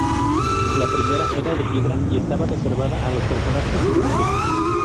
La primera era de piedra y estaba reservada a los personajes ilustres.